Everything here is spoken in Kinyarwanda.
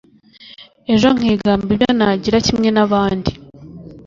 Ejo nkigamba ibyo nagira kimwe nabandi